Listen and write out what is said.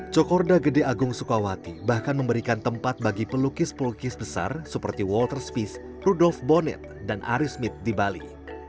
cokorda gede agung sukawati bahkan memberikan tempat bagi pelukis pelukis besar seperti walter speez rudolf bonet dan arismith di bali